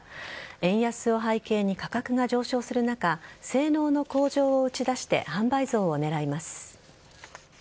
円安を背景に価格が上昇する中性能の向上を打ち出して販売増を狙います。